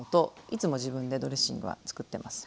いつも自分でドレッシングは作ってます。